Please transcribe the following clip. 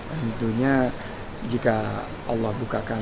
tentunya jika allah bukakan